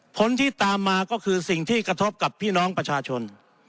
ผลที่ตามมาก็คือสิ่งที่กระทบกับพี่น้องประชาชน